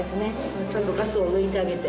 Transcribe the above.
ちゃんとガスを抜いてあげて。